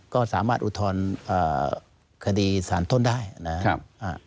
ก็สามารถอุทธรณ์คดีสารต้นได้นะครับ